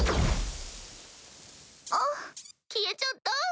あっ消えちゃった。